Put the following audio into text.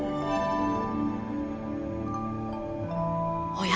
おや？